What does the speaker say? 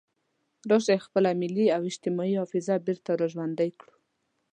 راشئ خپله ملي او اجتماعي حافظه بیا را ژوندۍ کړو.